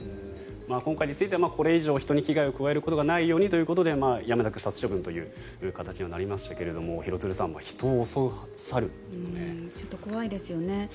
今回についてはこれ以上、人に危害を加えないようにということでやむなく殺処分という形にはなりましたがちょっと怖いですよね。